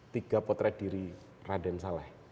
tiga potret diri raden saleh